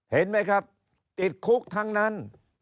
เห็นไหมครับติดคุกทั้งนั้น